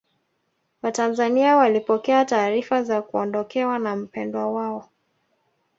watanzania walipokea taarifa za kuondokewa na mpendwa wao